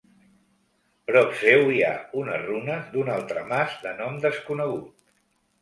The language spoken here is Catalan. Prop seu hi ha unes runes d'un altre mas de nom desconegut.